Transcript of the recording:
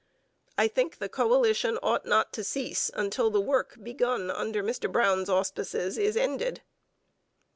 I think the coalition ought not to cease until the work begun under Mr Brown's auspices is ended.